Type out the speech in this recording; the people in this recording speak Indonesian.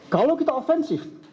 kalau kita offensif